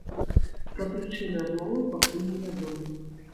Пра прычыны адмовы пакуль невядома.